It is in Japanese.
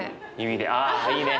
あいいね。